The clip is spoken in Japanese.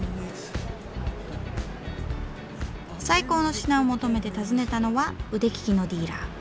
最高の品を求めて訪ねたのは腕利きのディーラー。